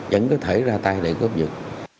vẫn có thể ra tay để cướp dực